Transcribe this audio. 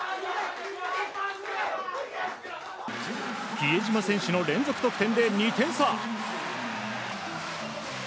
比江島選手の連続得点で２点差。